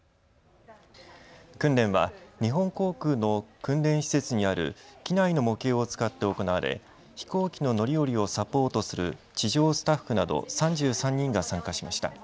訓練は日本航空の訓練施設にある機内の模型を使って行われ飛行機の乗り降りをサポートする地上スタッフなど３３人が参加しました。